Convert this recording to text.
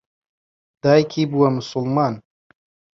دایکی بووە موسڵمان.